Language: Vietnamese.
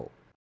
việc trí tiệm